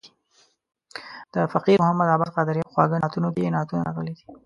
د فقیر محمد عباس قادریه په خواږه نعتونه کې یې نعتونه راغلي دي.